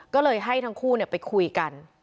ก็เลยให้ทั้งคู่ไปคุยกัน